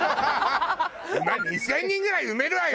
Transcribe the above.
２０００人ぐらい埋めるわよ！